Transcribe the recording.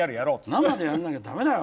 「生でやんなきゃ駄目だよ。